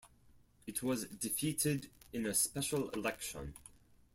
It was defeated in a special election.